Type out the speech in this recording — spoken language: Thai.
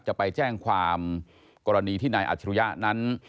จะไปแจ้งความกรณีที่นายอัจฉริยะนั้น